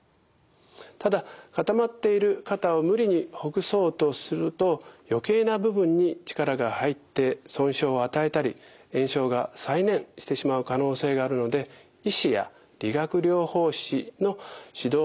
ただ固まっている肩を無理にほぐそうとすると余計な部分に力が入って損傷を与えたり炎症が再燃してしまう可能性があるのではい。